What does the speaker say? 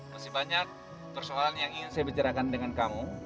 masih banyak persoalan yang ingin saya bicarakan dengan kamu